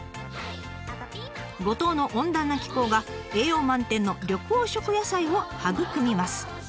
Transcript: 五島の温暖な気候が栄養満点の緑黄色野菜を育みます。